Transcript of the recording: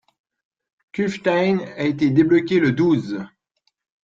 Kufstein a été débloqué le douze.